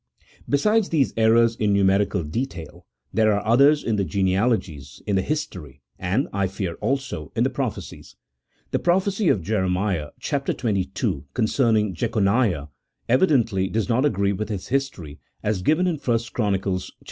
Besides these errors in numerical details, there are others in the genealogies, in the history, and, I fear also in the prophecies. The prophecy of Jeremiah (chap, xxii.), con cerning Jechoniah, evidently does not agree with his history as given in 1 Chronicles iii.